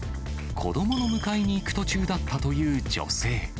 子どもの迎えに行く途中だったという女性。